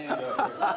ハハハハ！